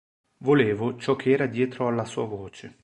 Volevo ciò che era dietro alla sua voce.